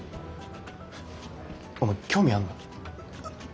お前興味あんの？